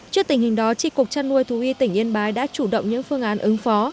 trước tình hình đó trị cục chăn nuôi thú y tỉnh yên bái đã chủ động những phương án ứng phó